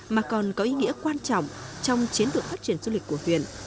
mà còn có ý nghĩa quan trọng trong chiến lược phát triển du lịch của huyện